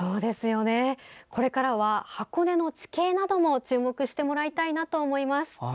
これからは箱根の地形なども注目してもらいたいなと思います。